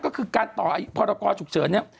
ก็คือการต่อพรกรฉุกเฉินเนี่ย